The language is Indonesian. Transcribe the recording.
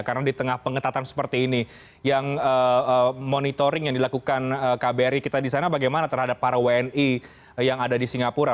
karena di tengah pengetatan seperti ini yang monitoring yang dilakukan kbri kita di sana bagaimana terhadap para wni yang ada di singapura